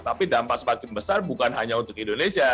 tapi dampak semakin besar bukan hanya untuk indonesia